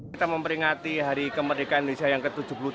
kita memperingati hari kemerdekaan indonesia yang ke tujuh puluh tiga